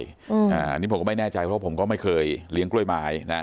บางทีผมก็ไม่แน่ใจเพราะว่าผมก็ไม่เคยเลี้ยงกล้วยไม้